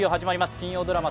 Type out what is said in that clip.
金曜ドラマ